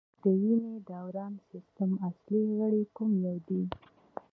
د وینې دوران سیستم اصلي غړی کوم یو دی